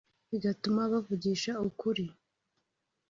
bigatuma abavugisha ukuri